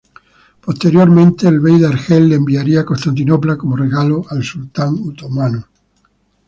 Posteriormente el bey de Argel la enviaría a Constantinopla, como regalo al sultán otomano.